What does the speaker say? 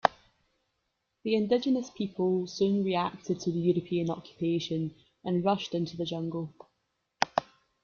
The indigenous people soon reacted to the European occupation, and rushed into the jungle.